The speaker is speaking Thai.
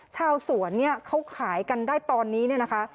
ชาวสวนเขาขายกันได้ตอนนี้นะคะ